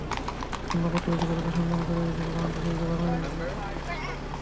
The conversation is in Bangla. অন্য প্রতিপক্ষকে যতটা সম্মান করে খেলি, ওয়ানডে সিরিজে বাংলাদেশের বিপক্ষেও সেভাবেই খেলব।